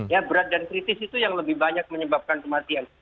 ya berat dan kritis itu yang lebih banyak menyebabkan kematian